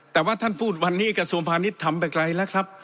แต่ว่าท่านพูดวันนี้กระทรวงพาณิชย์ทำไปไกลแล้วครับ